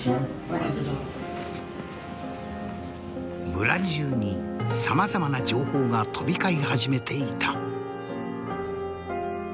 村じゅうにさまざまな情報が飛び交い始めていた。